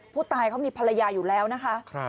ผู้ตายเขามีภรรยาอยู่แล้วนะคะ